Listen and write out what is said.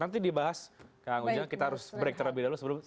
nanti dibahas kang ujang kita harus break terlebih dahulu sebelum